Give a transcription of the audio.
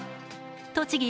栃木